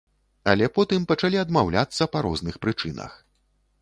Але потым пачалі адмаўляцца па розных прычынах.